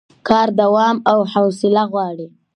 کار دوام او حوصله غواړي